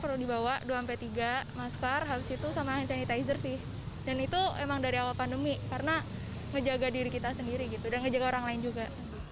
dan itu emang dari awal pandemi karena ngejaga diri kita sendiri gitu dan ngejaga orang lain juga